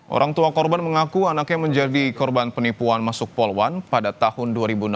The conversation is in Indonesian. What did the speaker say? orang tua korban mengaku anaknya menjadi korban penipuan masuk poluan pada tahun dua ribu enam belas